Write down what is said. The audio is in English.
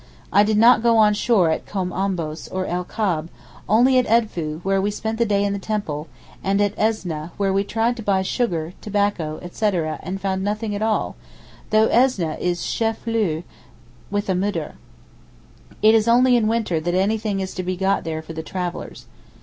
I did not go on shore at Kom Ombos or El Kab, only at Edfou, where we spent the day in the temple; and at Esneh, where we tried to buy sugar, tobacco, etc., and found nothing at all, though Esneh is a chef lieu, with a Moudir. It is only in winter that anything is to be got for the travellers.